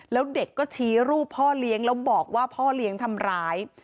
แล้วเด็กก็ชี้รูปพ่อเลี้ยงแล้วบอกว่าพ่อเลี้ยงทำร้าย